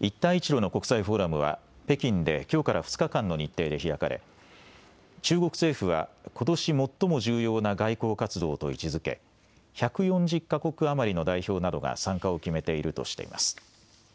一帯一路の国際フォーラムは北京できょうから２日間の日程で開かれ、中国政府は、ことし最も重要な外交活動と位置づけ、１４０か国余りの代表などが参加を決めているとしています。